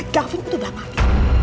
gavin itu udah mati